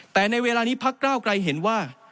แต่ในเวลานี้พระเกล้าใกล้เห็นว่า